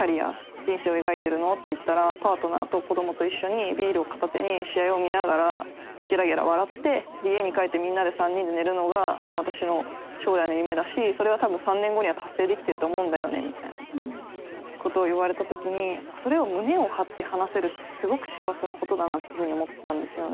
人生を描いてるの？って言ったらパートナーと子供と一緒にビールを片手に試合を見ながらゲラゲラ笑って家に帰ってみんなで３人で寝るのがもう私の将来の夢だしそれは多分３年後には達成できてると思うんだよねみたいなことを言われた時にそれを胸を張って話せるってすごく幸せなことだなっていうふうに思ったんですよね。